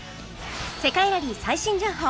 世界ラリー最新情報